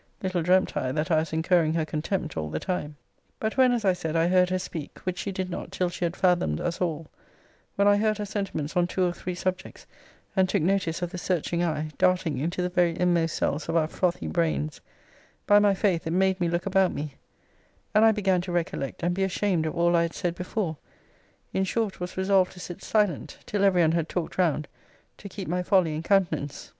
Little dreamt I, that I was incurring her contempt all the time. But when, as I said, I heard her speak, which she did not till she had fathomed us all; when I heard her sentiments on two or three subjects, and took notice of the searching eye, darting into the very inmost cells of our frothy brains; by my faith, it made me look about me; and I began to recollect, and be ashamed of all I had said before; in short, was resolved to sit silent, till every one had talked round, to keep my folly in countenance.